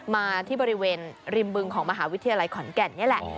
มาที่บริเวณริมบึงของมหาวิทยาลัยขอนแก่นนี่แหละ